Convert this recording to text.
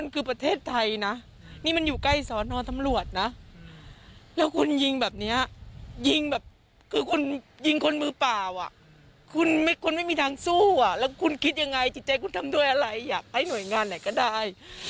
คิดยังไงจิตใจคุณทำด้วยอะไรอยากให้หน่วยงานไหนก็ได้